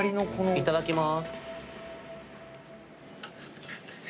いただきます。